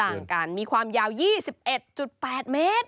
ห่างกันมีความยาว๒๑๘เมตร